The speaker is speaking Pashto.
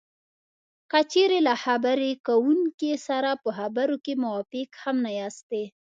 که چېرې له خبرې کوونکي سره په خبرو کې موافق هم نه یاستی